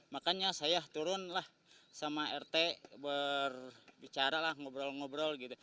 makanya saya turunlah sama rt berbicara lah ngobrol ngobrol